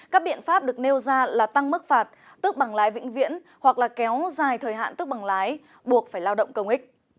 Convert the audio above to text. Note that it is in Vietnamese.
các biện pháp được nêu ra là tăng mức phạt tước bằng lái vĩnh viễn hoặc là kéo dài thời hạn tước bằng lái buộc phải lao động công ích